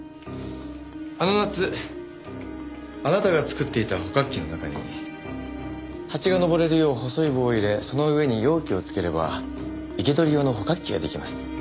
あの夏あなたが作っていた捕獲器の中にハチが登れるよう細い棒を入れその上に容器をつければ生け捕り用の捕獲器が出来ます。